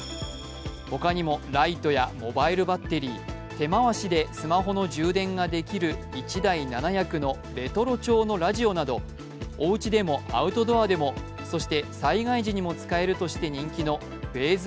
ほかにもライトやモバイルバッテリー手回しでスマホの充電ができる１台７役のレトロ調のラジオなどおうちでもアウトドアでも、そして災害時でも使えるとして人気のフェーズ